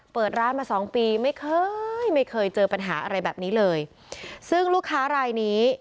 เปิดร้านมาสองปีไม่เคยไม่เคยเจอปัญหาอะไรแบบนี้เลยซึ่งลูกค้ารายนี้